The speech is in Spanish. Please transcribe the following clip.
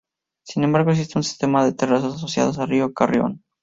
Sin embargo existe un sistema de terrazas asociadas al río Carrión.